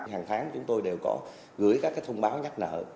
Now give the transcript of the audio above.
hàng tháng chúng tôi đều có gửi các thông báo nhắc nợ